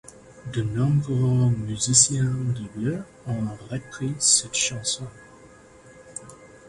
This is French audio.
De nombreux musiciens de blues ont repris cette chanson.